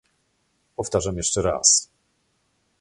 Powtarzam jeszcze raz